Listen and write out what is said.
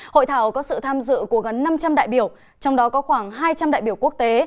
hội thảo có sự tham dự của gần năm trăm linh đại biểu trong đó có khoảng hai trăm linh đại biểu quốc tế